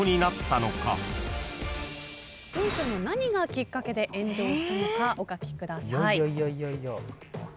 何がきっかけで炎上したのかお書きください。